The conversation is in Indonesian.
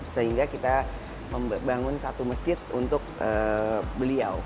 sehingga kita membangun satu masjid untuk beliau